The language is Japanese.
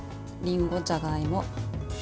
りんご、じゃがいも。